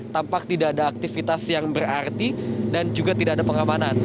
tampak tidak ada aktivitas yang berarti dan juga tidak ada pengamanan